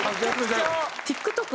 ＴｉｋＴｏｋ